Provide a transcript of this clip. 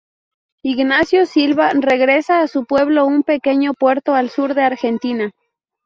Ignacio Silva regresa a su pueblo, un pequeño puerto al sur de Argentina.